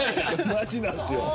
マジなんですよ。